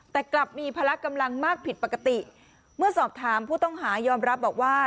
แต่กลับมีพละกำลังมากผิดปกติเมื่อสอบถามผู้ต้องหายอมรับบอกว่า